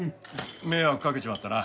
迷惑かけちまったな。